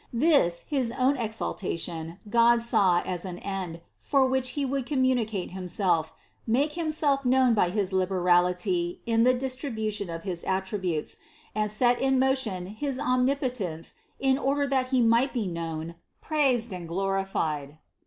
This his own exal tation God saw as the end, for which He would com municate Himself, make Himself known by his liberality in the distribution of his attributes, and set in motion his Omnipotence in order that He might be known, praised and glorified.